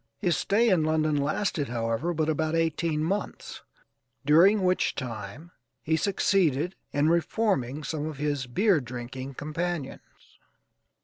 His stay in London lasted, however, but about eighteen months, during which time he succeeded in reforming some of his beer drinking companions.